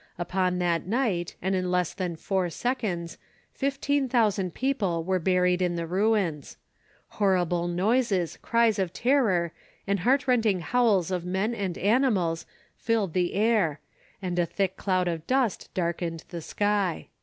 Upon that night, and in less than four seconds, fifteen thousand people were buried in the ruins. Horrible noises, cries of terror, the heartrending howls of men and animals filled the air, and a thick cloud of dust darkened the sky."